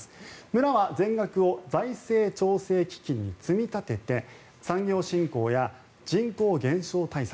村は全額を財政調整基金に積み立てて産業振興や人口減少対策